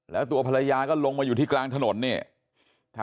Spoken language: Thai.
แล้วตัวภรรยาก็ลงมาอยู่ที่กลางถนนเนี่ย